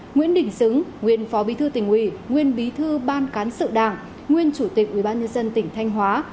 nguyễn đình xứng nguyên phó bí thư tỉnh ủy nguyên bí thư ban cán sự đảng nguyên chủ tịch ubnd tỉnh thanh hóa